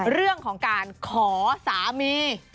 เรื่องของการขอสามี